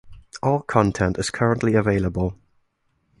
All content is currently available.